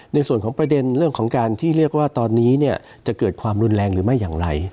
ในส่วนของประเด็นเรื่องของการที่เรียกว่าตอนนี้จะเกิดความรุนแรงหรือไม่อย่างไร